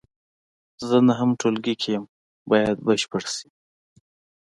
زه نهم ټولګي کې یم باید بشپړ شي.